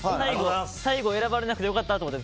最後、選ばれなくてよかったと思って。